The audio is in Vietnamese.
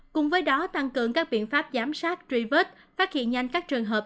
cùng với đó tăng cường các biện pháp giám sát truy vết phát hiện nhanh các trường hợp